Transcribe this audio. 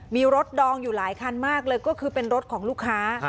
มีรถดองอยู่หลายคันมากเลยก็คือเป็นรถของลูกค้า